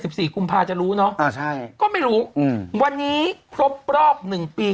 สิบสี่กุมภาจะรู้เนอะอ่าใช่ก็ไม่รู้อืมวันนี้ครบรอบหนึ่งปี